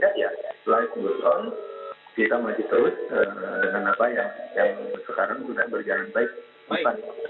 kita masih terus dengan apa yang sekarang sudah berjalan baik